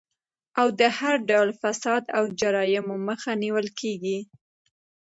او د هر ډول فساد او جرايمو مخه نيول کيږي